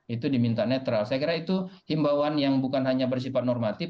itu diminta netral saya kira itu himbauan yang bukan hanya bersifat normatif